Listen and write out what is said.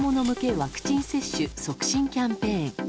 ワクチン接種促進キャンペーン。